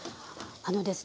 あのですね